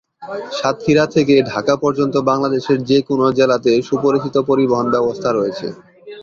সাতক্ষীরা থেকে ঢাকা পর্যন্ত বাংলাদেশের যে কোনও জেলাতে সুপরিচিত পরিবহন ব্যবস্থা রয়েছে।